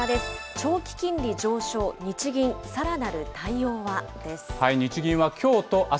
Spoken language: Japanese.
長期金利上昇、日銀さらなる対応はです。